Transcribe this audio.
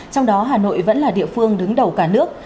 trong đó hà nội vẫn là địa phương đứng đầu cả nước